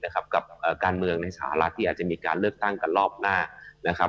กับการเมืองในสหรัฐที่อาจจะมีการเลือกตั้งกันรอบหน้านะครับ